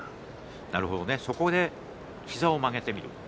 なるほどそこで膝を曲げてみる。